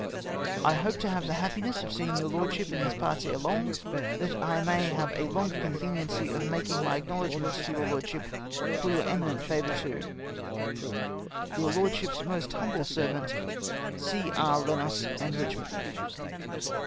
*" I hope to have the happiness of seeing your lordship in these parts ere long, that I may have a larger couveniency of making my acknowledgments to your lordship for your eminent favour to " Your lordship's most humble servant, " C. E. Lends and Richmond.